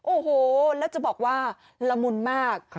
โอ้โหแล้วจะบอกว่าละมุนมาก